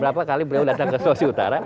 berapa kali beliau datang ke sulawesi utara